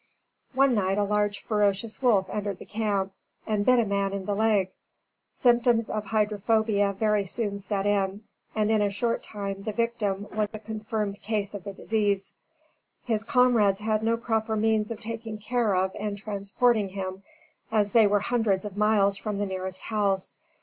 One night a large, ferocious wolf entered the camp, and bit a man in the leg. Symptoms of hydrophobia very soon set in, and in a short time the victim was a confirmed case of the disease. His comrades had no proper means of taking care of and transporting him, as they were hundreds of miles from the nearest house.